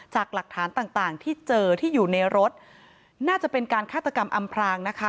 จากหลักฐานต่างที่เจอที่อยู่ในรถน่าจะเป็นการฆาตกรรมอำพรางนะคะ